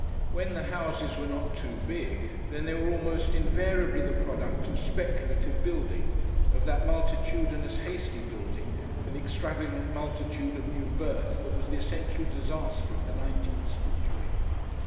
When the houses were not too big, then they were almost invariably the product of speculative building, of that multitudinous hasty building for the extravagant multitude of new births that was the essential disaster of the nineteenth century.